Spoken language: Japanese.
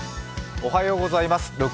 おはようございます。